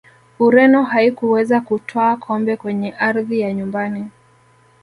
ureno haikuweza kutwaa kombe kwenye ardhi ya nyumbani